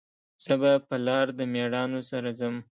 زه به په لار د میړانو سره ځم